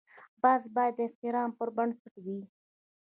بحث باید د احترام پر بنسټ وي.